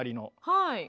はい。